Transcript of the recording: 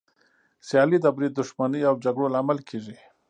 سیالي د بريد، دښمني او جګړو لامل کېږي.